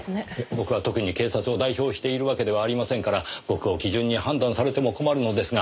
僕は特に警察を代表しているわけではありませんから僕を基準に判断されても困るのですが。